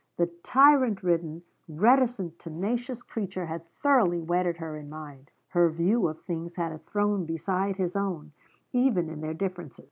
The tyrant ridden, reticent, tenacious creature had thoroughly wedded her in mind; her view of things had a throne beside his own, even in their differences.